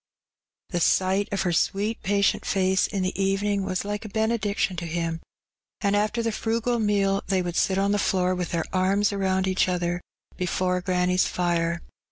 The sight of her sweet patient face in the evening was like a benediction to him, and after the frugal meal they would sit on the floor with their arms around each other before granny's fire.